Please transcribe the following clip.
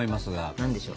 何でしょう？